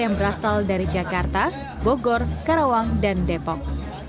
yang berasal dari jakarta bogor karawang dan depok